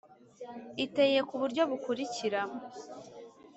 Iteye ku buryo bukurikira